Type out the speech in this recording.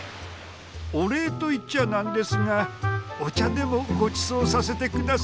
お礼と言っちゃなんですがお茶でもごちそうさせて下さいよ。